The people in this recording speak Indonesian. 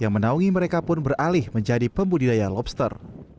yang menaungi mereka pun beralih menjadi pembudidaya lobster